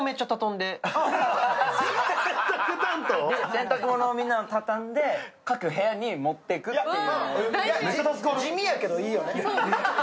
洗濯物をみんなの畳んで、各部屋に持っていくという。